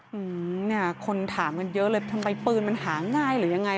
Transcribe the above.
อืมเนี่ยคนถามกันเยอะเลยทำไมปืนมันหาง่ายหรือยังไง